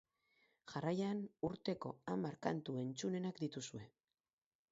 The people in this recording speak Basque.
Jarraian, urteko hamar kantu entzunenak dituzue.